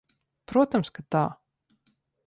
Protams, ka tā.